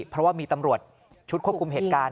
เพราะว่ามีตำรวจชุดควบคุมเหตุการณ์